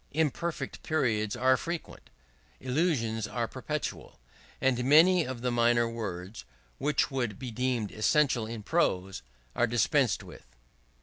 Imperfect periods are frequent; elisions are perpetual; and many of the minor words, which would be deemed essential in prose, are dispensed with.